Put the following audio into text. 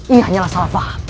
ini hanyalah salah faham